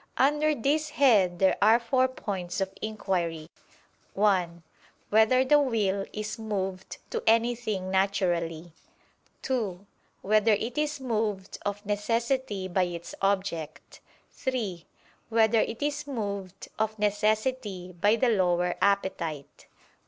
Under this head there are four points of inquiry: (1) Whether the will is moved to anything naturally? (2) Whether it is moved of necessity by its object? (3) Whether it is moved of necessity by the lower appetite?